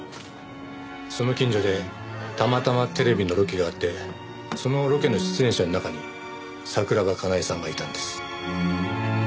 その近所でたまたまテレビのロケがあってそのロケの出演者の中に桜庭かなえさんがいたんです。